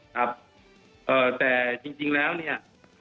ครับแต่จริงแล้วเนี่ย